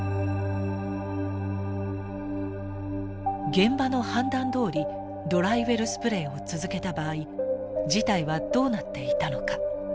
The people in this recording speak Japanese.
現場の判断どおりドライウェルスプレイを続けた場合事態はどうなっていたのか。